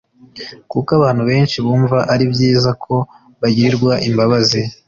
Kuko abantu benshi bumva ari byiza ko bagirirwa imbabazi